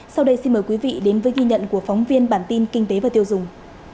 sau đây xin mời quý vị đến với ghi nhận của phóng viên bản tin kinh tế và tiêu dùng